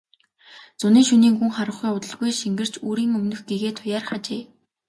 Зуны шөнийн гүн харанхуй удалгүй шингэрч үүрийн өмнөх гэгээ туяарах ажээ.